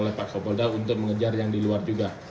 oleh pak kapolda untuk mengejar yang di luar juga